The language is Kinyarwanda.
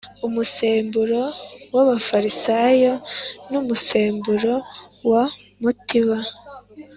umusemburo w Abafarisayo n umusemburo wa mutiba